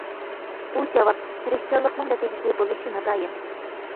بۇ جاۋاب: تىرىشچانلىقنىڭ نەتىجىسى بولۇشى ناتايىن.